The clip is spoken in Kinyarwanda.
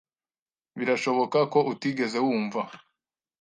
Birashoboka ko utigeze wumva .